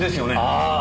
ああ！